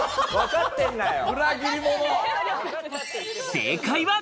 正解は。